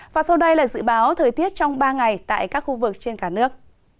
và sau đây là dự báo thời tiết trong ba ngày tại các khu vực trên cả nước